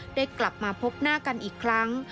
ได้กลับมาพบหน้ากันอีกครั้ง